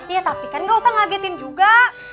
iya tapi kan gak usah ngagetin juga